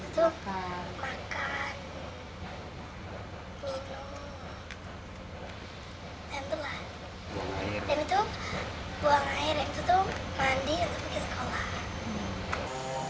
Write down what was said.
dan itu buang air mandi dan pergi ke sekolah